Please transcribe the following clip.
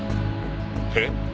えっ？